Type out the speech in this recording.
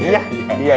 si anak bada